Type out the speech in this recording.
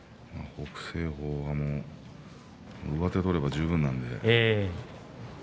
北青鵬は上手を取れば十分なので。